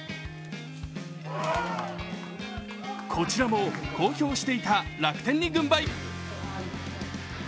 こちらも公表していた楽天に軍配。